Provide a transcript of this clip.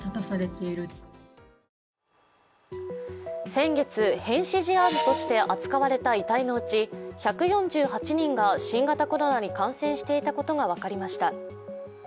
先月、変死事案として扱われた遺体のうち１４８人が新型コロナに感染していたことが分かりました。